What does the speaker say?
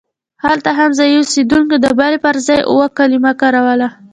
هلته هم ځایي اوسېدونکو د بلې پر ځای اوو کلمه کاروله.